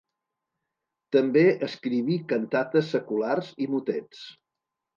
També escriví cantates seculars i motets.